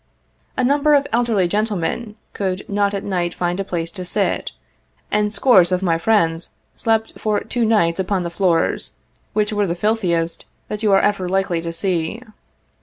A number of elderly gentlemen could not at night find a place to sit; and scores of my friends slept for two nights upon the floors, which were the filthiest that you are ever likely to see.